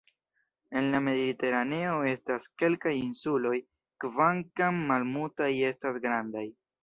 En la Mediteraneo estas kelkaj insuloj kvankam malmultaj estas grandaj.